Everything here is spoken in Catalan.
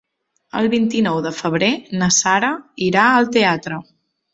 El vint-i-nou de febrer na Sara irà al teatre.